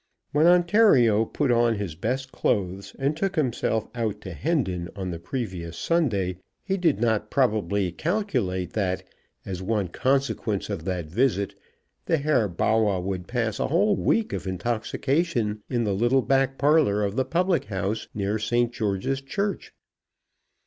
When Ontario put on his best clothes, and took himself out to Hendon on the previous Sunday, he did not probably calculate that, as one consequence of that visit, the Herr Bawwah would pass a whole week of intoxication in the little back parlour of the public house near St. George's Church.